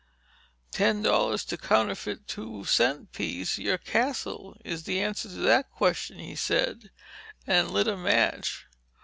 "Ten dollars to counterfeit two cent piece, your Castle is the answer to that question," he said, and lit a match.